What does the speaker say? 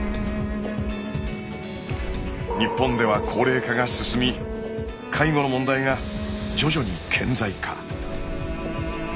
日本では高齢化が進み介護の問題が徐々に顕在化。